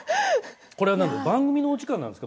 これは番組のお時間なんですか？